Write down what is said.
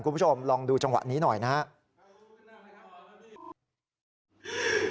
คุณผู้ชมลองดูจังหวะนี้หน่อยนะครับ